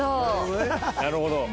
なるほどね。